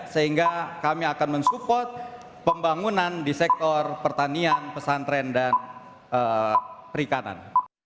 sehingga kami akan mensupport pembangunan di sektor pertanian pesantren dan perikanan